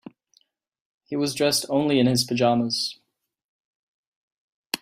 He was dressed only in his pajamas.